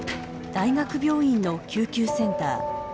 大学病院の救急センター。